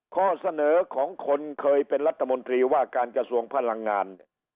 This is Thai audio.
ข้อเสนอของคนเคยเป็นรัฐมนตรีว่าการกระทรวงพลังงานเนี่ย